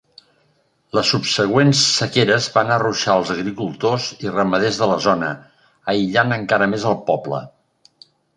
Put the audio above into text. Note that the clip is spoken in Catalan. Les subsegüents sequeres van arruixar els agricultores i ramaders de la zona, aïllant encara més al poble.